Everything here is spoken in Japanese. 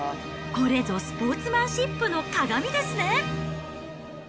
これぞスポーツマンシップのかがみですね。